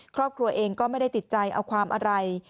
ครอบครัวเองก็ไม่ได้ติดใจเอาความอะไร